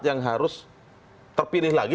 yang harus terpilih lagi